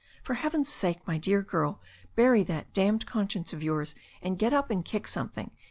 For heaven's sake, my dear girl, bury that damned conscience of yours, and get up and kick some thing.